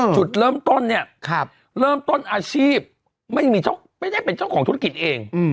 จุดเริ่มต้นเนี่ยเริ่มต้นอาชีพไม่ได้เป็นเจ้าของธุรกิจเอง